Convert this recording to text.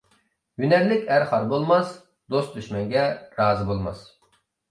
ھۈنەرلىك ئەر خار بولماس، دوست-دۈشمەنگە رازى بولماس.